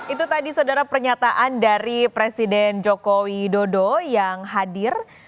itu tadi saudara pernyataan dari presiden joko widodo yang hadir